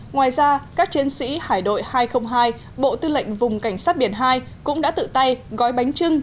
ngoài ra các chiến sĩ hải đội hai trăm linh hai bộ tư lệnh vùng cảnh sát biển hai cũng đã tự tay gói bánh trưng